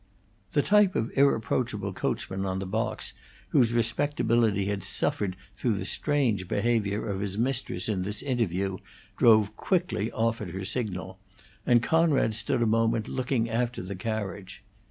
The type of irreproachable coachman on the box whose respectability had suffered through the strange behavior of his mistress in this interview drove quickly off at her signal, and Conrad stood a moment looking after the carriage.